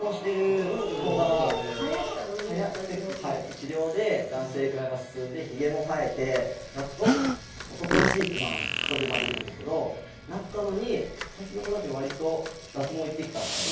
治療で男性化が進んでヒゲも生えてやっと男らしいってまあここで出てくるんですけどなったのに最近の子たちは割と脱毛行ってきたみたいな。